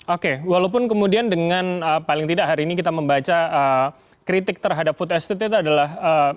oke walaupun kemudian dengan paling tidak hari ini kita membaca kritik terhadap food estate itu adalah